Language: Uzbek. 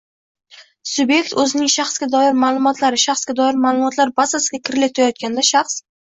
Subyekt o‘zining shaxsga doir ma’lumotlari shaxsga doir ma’lumotlar bazasiga kiritilayotganda shaxsga